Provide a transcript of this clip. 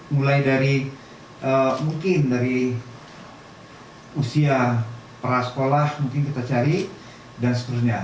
mencari bibit bibit mulai dari usia prasekolah mungkin kita cari dan seterusnya